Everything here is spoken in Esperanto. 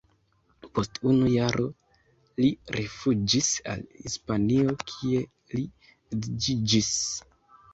Post unu jaro li rifuĝis al Hispanio, kie li edziĝis.